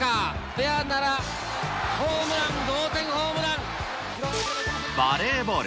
フェアなら、ホームラン、同点ホバレーボール。